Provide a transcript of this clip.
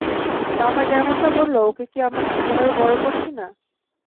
বাবা যেমনটা বললো, ওকে কি আমরা ঠিকভাবে বড় করছি না?